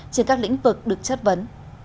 và các lĩnh vực được chất vấn